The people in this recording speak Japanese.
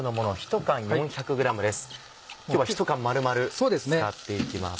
今日は１缶丸々使っていきます。